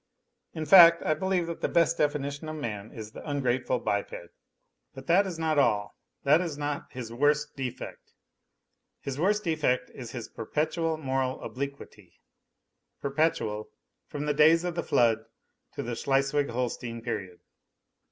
In fact, I believe that the best definition of man is the ungrateful biped. But that is not all, that is not his worst defect ; his worst defect is his perpetual moral obliquity, per petual from the days of the Flood to the Schleswig Holstein period.